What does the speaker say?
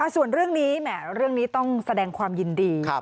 ส่วนเรื่องนี้แหมเรื่องนี้ต้องแสดงความยินดี